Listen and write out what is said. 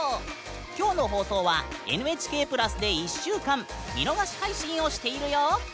今日の放送は「ＮＨＫプラス」で１週間見逃し配信をしているよ！